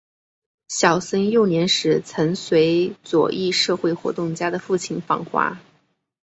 小森幼年时曾随左翼社会活动家的父亲访华。